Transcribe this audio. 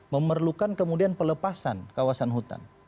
memerlukan kemudian pelepasan kawasan hutan